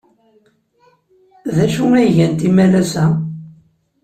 D acu ay gant imalas-a?